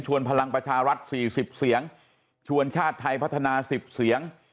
พลังประชารัฐ๔๐เสียงชวนชาติไทยพัฒนา๑๐เสียง